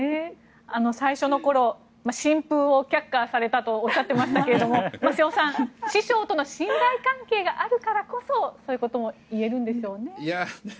最初の頃「新風」を却下されたとおっしゃっていましたけど瀬尾さん師匠との信頼関係があるからこそそういうことも言えるんでしょうね。